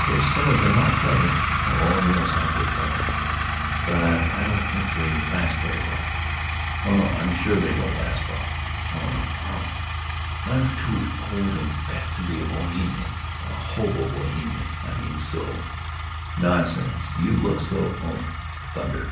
"Of course some of them are clever." "Oh yes, aren't they clever!" "But I don't think they last very well." "Oh no, I'm sure they don't last well. Oh no, Carl, I'm too old and fat to be a Bohemian—a Hobohemian, I mean, so——" "Nonsense! You look so—oh, thunder!